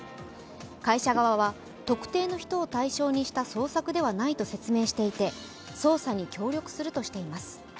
会社側は特定の人を対象にした捜索ではないと説明していて捜査に協力するとしています。